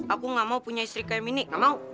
aku gak mau punya istri kayak mini gak mau